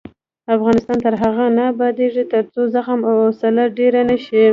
افغانستان تر هغو نه ابادیږي، ترڅو زغم او حوصله ډیره نشي.